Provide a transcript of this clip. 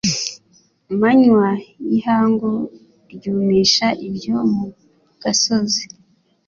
manywa y’ihangu ryumisha ibyo mu gasozi,